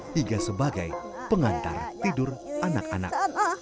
hingga sebagai pengantar tidur anak anak